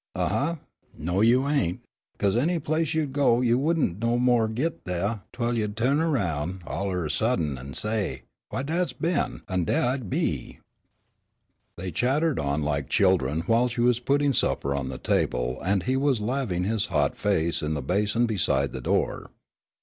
"Huh uh no you ain', 'cause any place you'd go you wouldn' no more'n git dah twell you'd tu'n erroun' all of er sudden an' say, 'Why, dah's Ben!' an' dah I'd be." They chattered on like children while she was putting the supper on the table and he was laving his hot face in the basin beside the door.